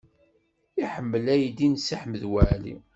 Ur iḥemmel aydi n Si Ḥmed Waɛli.